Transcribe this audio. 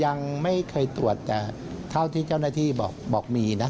ยังไม่เคยตรวจเท่าที่เจ้านาธิบอกมีนะ